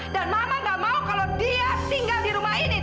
dan mama nggak mau kalau dia tinggal di rumah ini